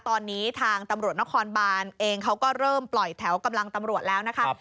ตอนนี้ทางตำรวจนครบานเองเขาก็เริ่มปล่อยแถวกำลังตำรวจแล้วนะคะ